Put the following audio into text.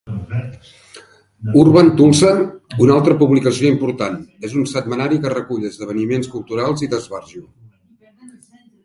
"Urban Tulsa", una altra publicació important, és un setmanari que recull esdeveniments culturals i d'esbarjo.